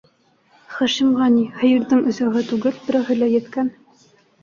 Хашимға ни һыйырҙың өсәүһе түгел, берәүһе лә еткән.